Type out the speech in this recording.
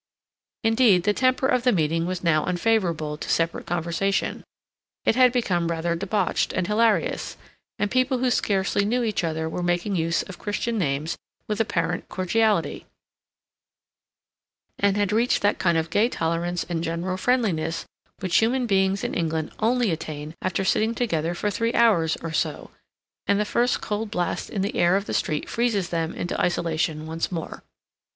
Indeed, the temper of the meeting was now unfavorable to separate conversation; it had become rather debauched and hilarious, and people who scarcely knew each other were making use of Christian names with apparent cordiality, and had reached that kind of gay tolerance and general friendliness which human beings in England only attain after sitting together for three hours or so, and the first cold blast in the air of the street freezes them into isolation once more.